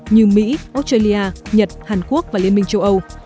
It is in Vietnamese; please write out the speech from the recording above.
như mỹ australia nhật hàn quốc và liên minh châu âu